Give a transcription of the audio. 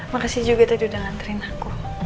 makasih juga tadi udah nganterin aku